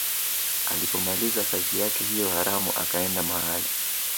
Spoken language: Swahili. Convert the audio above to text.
Alipomaliza kazi yake hiyo haramu akaenda mahali